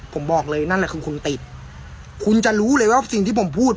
ผมบอกเลยนั่นแหละคือคุณติดคุณจะรู้เลยว่าสิ่งที่ผมพูด